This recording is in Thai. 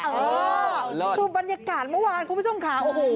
โอ้โฮเล่นคือบรรยากาศเมื่อวานคุณผู้ชมค่ะโอ้โฮ